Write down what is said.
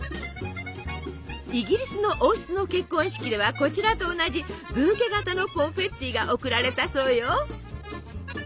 イギリスの王室の結婚式ではこちらと同じブーケ形のコンフェッティが贈られたそうよ。